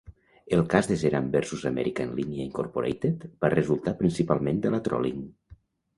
El cas de "Zeran versus Amèrica en línia, Incorporated" va resultar principalment de la trolling.